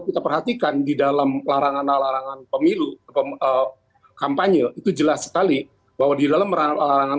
kita perhatikan di dalam larangan larangan pemilu kampanye itu jelas sekali bahwa di dalam larangan